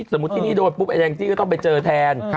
สมมุติที่นี่โดนแกต้องไปเจอแทน